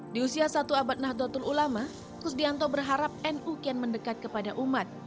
di usia satu abad nahdlatul ulama kusdianto berharap nu kian mendekat kepada umat